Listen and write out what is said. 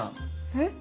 えっ？